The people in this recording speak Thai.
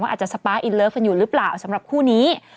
อาจจะสปาร์อินเลิฟกันอยู่หรือเปล่าสำหรับคู่นี้